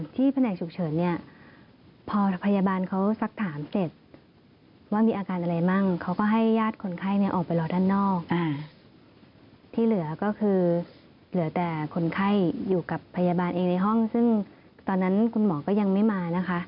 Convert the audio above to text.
แผนกฉุกเฉินเนี่ยพอพยาบาลเขาสักถามเสร็จว่ามีอาการอะไรมั่งเขาก็ให้ญาติคนไข้ออกไปรอด้านนอกที่เหลือก็คือเหลือแต่คนไข้อยู่กับพยาบาลเองในห้องซึ่งตอนนั้นคุณหมอก็ยังไม่มานะคะ